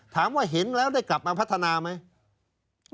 ถามว่าเห็นแล้วได้กลับมาพัฒนาไหม